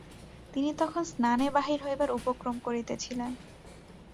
তিনি তখন স্নানে বাহির হইবার উপক্রম করিতেছিলেন।